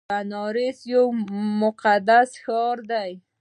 بنارس یو مقدس ښار دی.